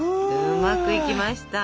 うまくいきました！